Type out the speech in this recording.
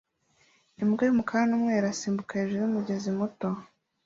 Imbwa yumukara numweru irasimbuka hejuru yumugezi muto